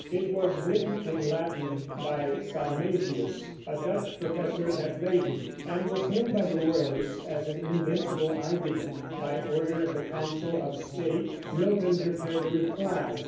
It was written in Latin by Salmasius, a Dutch professor at Leyden, and was hailed by the Royalists as an invincible argument. By order of the Council of State Milton prepared a reply.